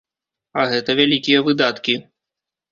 А гэта вялікія выдаткі.